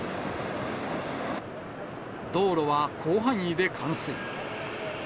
道路は広範囲で冠水。